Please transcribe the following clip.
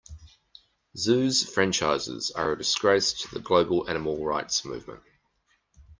Zoos franchises are a disgrace to the global animal rights movement.